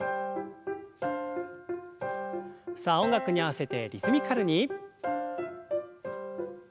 さあ音楽に合わせてリズミカルに。